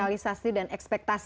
realisasi dan ekspektasi